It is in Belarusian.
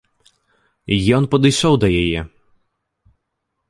Ён падышоў да яе.